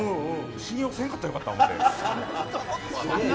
信用せんかったらよかった。